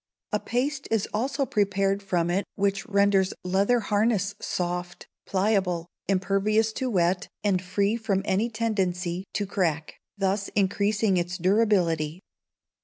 A paste is also prepared from it which renders leather harness soft, pliable, impervious to wet, and free from any tendency to crack, thus increasing its durability.